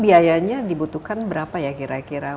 biayanya dibutuhkan berapa ya kira kira